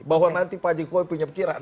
bahwa nanti pak jokowi punya pikiran